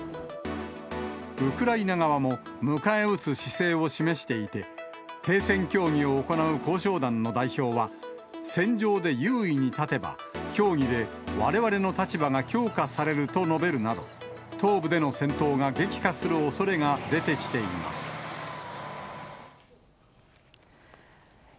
ウクライナ側も迎え撃つ姿勢を示していて、停戦協議を行う交渉団の代表は、戦場で優位に立てば協議でわれわれの立場が強化されると述べるなど、東部での戦闘が激化するおそれが出てきています。